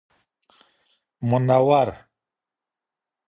منور